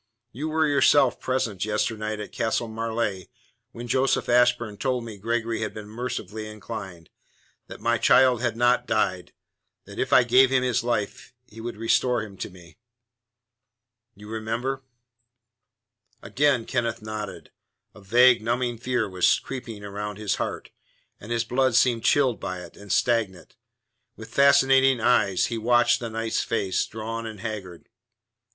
You were, yourself, present yesternight at Castle Marleigh when Joseph Ashburn told me Gregory had been mercifully inclined; that my child had not died; that if I gave him his life he would restore him to me. You remember?" Again Kenneth nodded. A vague, numbing fear was creeping round his heart, and his blood seemed chilled by it and stagnant. With fascinated eyes he watched the knight's face drawn and haggard.